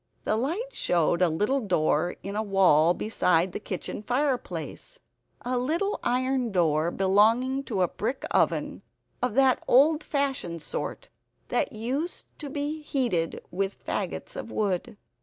The light showed a little door in a wall beside the kitchen fireplace a little iron door belonging to a brick oven of that old fashioned sort that used to be heated with faggots of wood.